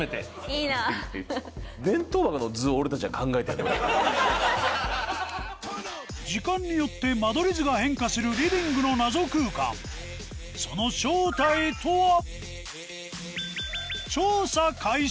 ・いいな・時間によって間取り図が変化するリビングの謎空間その正体とは？